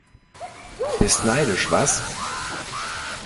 Bist neidisch, was?